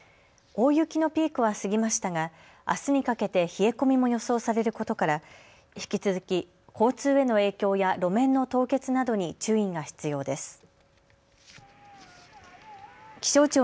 大雪のピークは過ぎましたが、あすにかけて冷え込みも予想されることから引き続き、交通への影響や路面の凍結などに注意が必要です。